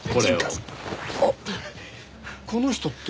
この人って。